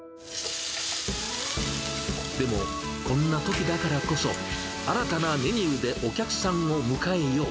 でも、こんなときだからこそ、新たなメニューでお客さんを迎えよう。